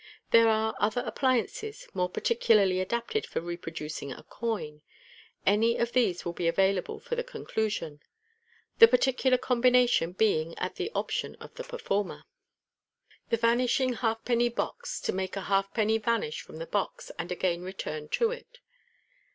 There are other appliances, more particularly adapted for re producing a coin. Any of these will be available for the conclusion j the particular combination being at the option of the performer. The Vanishing Halfpenny Box. To make a Halfpenny ▼ ANISH FROM THE Box. AND AGAIN RETURN TO IT.